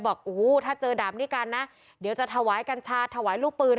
บอกโอ้โหถ้าเจอดาบนี้กันนะเดี๋ยวจะถวายกัญชาถวายลูกปืน